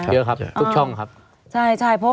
ไม่มีครับไม่มีครับ